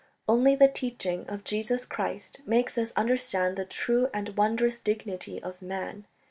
. Only the teaching of Jesus Christ makes us understand the true and wondrous dignity of man